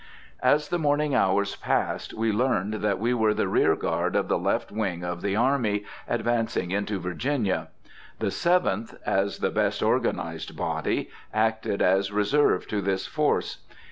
As the morning hours passed, we learned that we were the rear guard of the left wing of the army advancing into Virginia. The Seventh, as the best organized body, acted as reserve to this force.